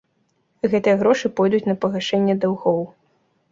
Гэтыя грошы пойдуць на пагашэнне даўгоў.